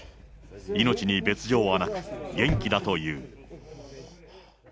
命に別状はなく、元気だという。